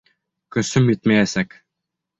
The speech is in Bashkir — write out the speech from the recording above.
Көсөм етмәйәсәк.